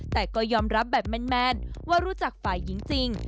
แต่ก็ยอมรับแบบแมนว่ารู้จักฝ่ายหญิงจริง